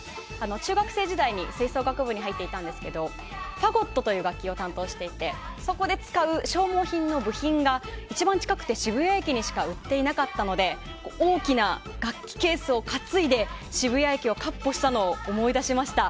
中学生時代に吹奏楽部に入っていたんですがファゴットという楽器を担当していて、そこで消耗品の部品が、一番近くて渋谷駅にしか売ってなかったので大きな楽器ケースを担いで、渋谷駅をかっ歩したのを思い出しました。